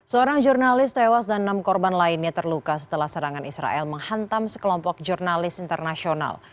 seorang jurnalis tewas dan enam korban lainnya terluka setelah serangan israel menghantam sekelompok jurnalis internasional